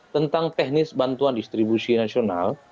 tentang teknis bantuan distribusi nasional